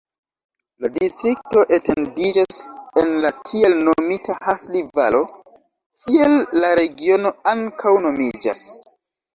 La distrikto etendiĝas en la tiel nomita Hasli-Valo, kiel la regiono ankaŭ nomiĝas.